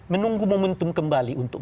menunggu momentum kembali untuk